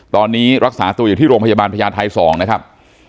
ตอนนี้รักษาตัวอยู่ที่โรงพยาบาลพญาไทย๒นะครับ